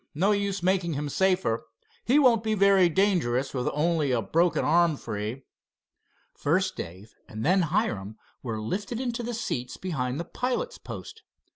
No use making him safer. He won't be very dangerous with only a broken arm free." First Dave and then Hiram were lifted into the seats behind the pilot's post.